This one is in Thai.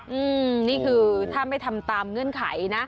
อืมนี่คือถ้าไม่ทำตามเงื่อนไขนะ